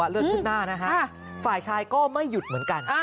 เลิกขึ้นนาฮะฝ่ายชายก็ไม่หยุดเหมือนกัน